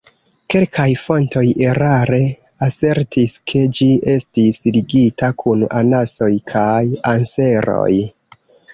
Kelkaj fontoj erare asertis, ke ĝi estis ligita kun anasoj kaj anseroj.